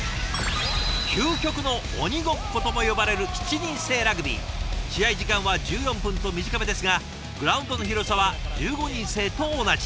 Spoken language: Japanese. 「究極の鬼ごっこ」とも呼ばれる試合時間は１４分と短めですがグラウンドの広さは１５人制と同じ。